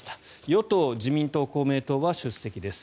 与党自民党、公明党は出席です。